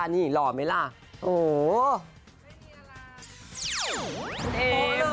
นี่หล่อไหมล่ะโอ้โห